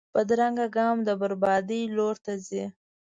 بدرنګه ګام د بربادۍ لور ته ځي